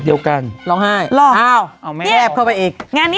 เราห่าย